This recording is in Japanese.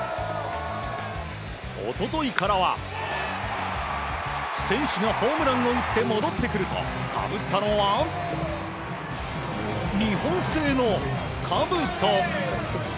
一昨日からは選手がホームランを打って戻ってくるとかぶったのは、日本製のかぶと。